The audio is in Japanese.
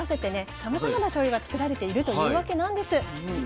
さまざまなしょうゆが造られているというわけなんです。